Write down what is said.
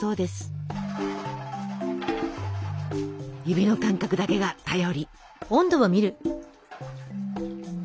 指の感覚だけが頼り。